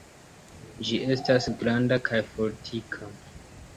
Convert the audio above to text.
Ĝi estas granda kaj fortika.